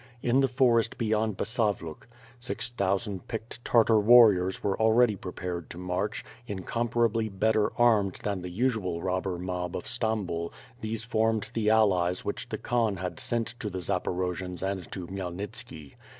In the forest beyond Basavluk, six thousand picked Tartar warriors were already prepared to march, incomparably better armed than the usual robber mob of Stambul, these formed the allies which the Khan had sent to the Zaporojians and to Khmyelnitski.